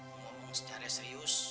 mau ngomong secara serius